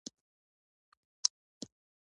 یو ځل بیا موږ ور وپېژندل سولو.